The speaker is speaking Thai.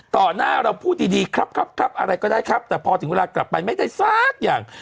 หน้าเราพูดดีดีครับครับอะไรก็ได้ครับแต่พอถึงเวลากลับไปไม่ได้สักอย่าง